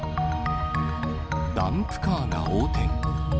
ダンプカーが横転。